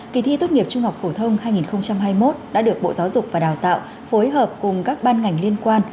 kỳ thi tốt nghiệp trung học phổ thông hai nghìn hai mươi một đã được bộ giáo dục và đào tạo phối hợp cùng các ban ngành liên quan